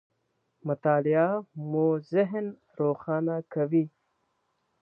مطالعه مو ذهن روښانه کوي.